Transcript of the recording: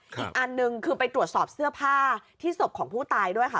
อีกอันหนึ่งคือไปตรวจสอบเสื้อผ้าที่ศพของผู้ตายด้วยค่ะ